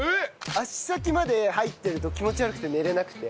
足先まで入ってると気持ち悪くて寝れなくて。